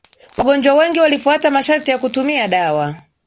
wagonjwa wengi walifuata masharti ya kutumia dawa